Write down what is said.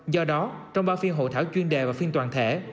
do đó trong ba phiên hội thảo chuyên đề và phiên toàn thể